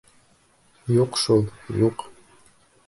Юҡ шул... юҡ...